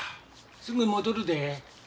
すぐ戻るで。